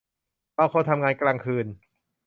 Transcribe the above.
บางคนทำงานกลางคืน